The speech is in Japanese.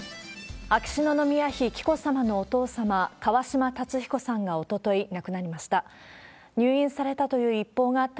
秋篠宮妃紀子さまのお父様、川嶋辰彦さんがおととい、亡くなりました。